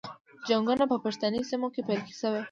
جنګونه په پښتني سیمو کې پیل شول.